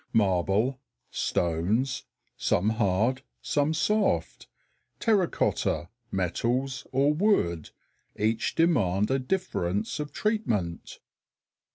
Marble, stones some hard, some soft, terra cotta, metals, or wood, each demand a difference of treatment.